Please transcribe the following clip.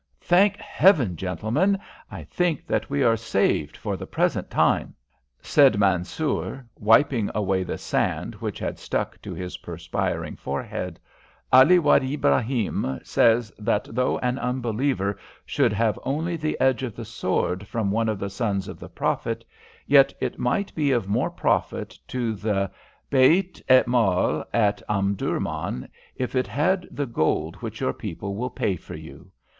"Thank Heaven, gentlemen, I think that we are saved for the present time," said Mansoor, wiping away the sand which had stuck to his perspiring forehead. "Ali Wad Ibrahim says that though an unbeliever should have only the edge of the sword from one of the sons of the Prophet, yet it might be of more profit to the beit el mal at Omdurman if it had the gold which your people will pay for you.